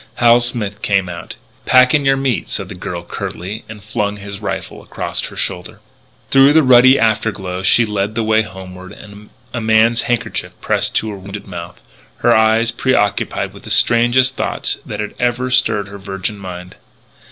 Hal Smith came out. "Pack in your meat," said the girl curtly, and flung his rifle across her shoulder. Through the ruddy afterglow she led the way homeward, a man's handkerchief pressed to her wounded mouth, her eyes preoccupied with the strangest thoughts that ever had stirred her virgin mind.